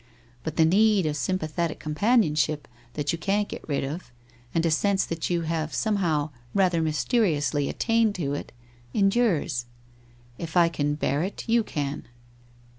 But the need of sympathetic companionship that you can't get rid of, and a sense that you have somehow rather mysteriously attained to it, endures. If I can bear it, you can.